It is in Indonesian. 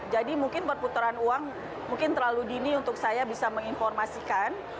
jadi mungkin perputaran uang mungkin terlalu dini untuk saya bisa menginformasikan